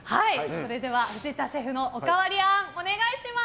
それでは藤田シェフのおかわりあーん、お願いします！